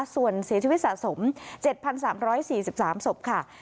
ส่วนเสียชีวิตสะสม๗๓๔๓ศพค่ะ